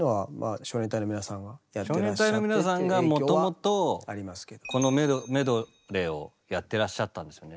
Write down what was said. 少年隊の皆さんがもともとこのメドレーをやってらっしゃったんですよね。